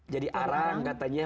jadi arang katanya